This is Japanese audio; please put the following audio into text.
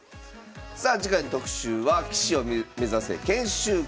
さあ次回の特集は「棋士を目指せ！研修会」です。